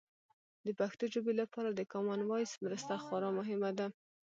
د پښتو ژبې لپاره د کامن وایس مرسته خورا مهمه ده.